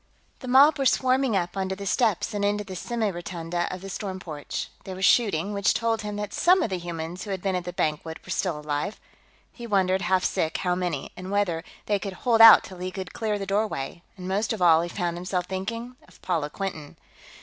_" The mob were swarming up onto the steps and into the semi rotunda of the storm porch. There was shooting, which told him that some of the humans who had been at the banquet were still alive. He wondered, half sick, how many, and whether they could hold out till he could clear the doorway, and, most of all, he found himself thinking of Paula Quinton.